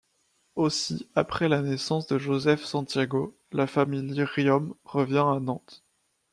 Aussi après la naissance de Joseph Santiago, la famille Riom revient à Nantes.